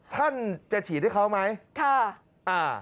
ท่านจะฉีดให้เขาไหม